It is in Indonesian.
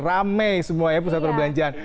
rame semua ya pusat perbelanjaan